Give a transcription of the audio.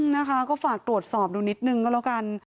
นะคะก็ฝากตรวจสอบดูนิดนึงก็แล้วกัน